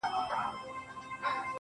o د سپینتمان د سردونو د یسنا لوري.